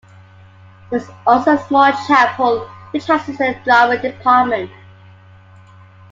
There is also a small chapel which houses the drama department.